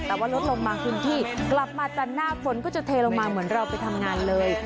แต่ว่าลดลงบางพื้นที่กลับมาจันทร์หน้าฝนก็จะเทลงมาเหมือนเราไปทำงานเลย